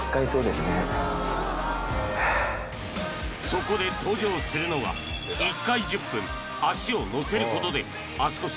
そこで登場するのが１回１０分脚をのせることでおおっ！